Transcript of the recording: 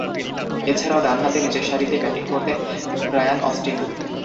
এছাড়াও, ডানহাতে নিচেরসারিতে ব্যাটিং করতেন রায়ান অস্টিন।